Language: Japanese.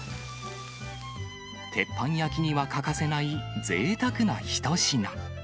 鉄板焼きには欠かせない、ぜいたくな一品。